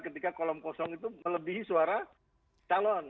ketika kolom kosong itu melebihi suara calon